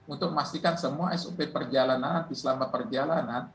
untuk memastikan semua sop perjalanan nanti selama perjalanan